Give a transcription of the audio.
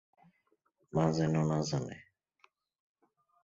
মা যেন না জানে।